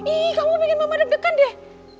ihh kamu pingin mama degdegan deh